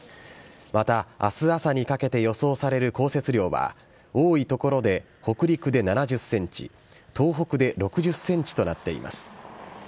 またあす朝にかけて予想される降雪量は、多い所で北陸で７０センチ、東北で６０センチとなっています。